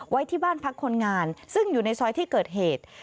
ไว้ที่บ้านพักคนงานซึ่งอยู่ในซอยที่เกิดเหตุ